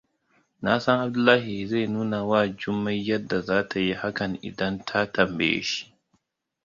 Nasan Abdullahi zai nunawa Jummai yadda zata yi hakan idan ta tambaye shi.